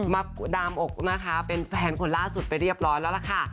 มาดามอกนะคะเป็นแฟนคนล่าสุดไปเรียบร้อยแล้วล่ะค่ะ